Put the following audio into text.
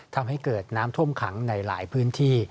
ทำให้เกิดน้ำท่วมขังในหลายพื้นที่